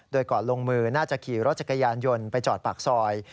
โดยก่อนลงมือน่าจะขี่รถจักรยานยนต์ไปจอดปากซอย